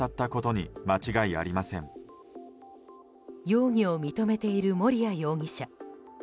容疑を認めている森谷容疑者。